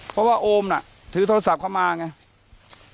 เพราะว่าโอมน่ะถือโทรศัพท์เข้ามาไง